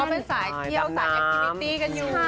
เขาเป็นสายเที่ยวสายแอคทีมิตี้กันอยู่